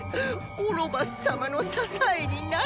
オロバス様の支えになれば。